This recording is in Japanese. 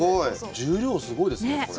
重量がすごいですね、これ。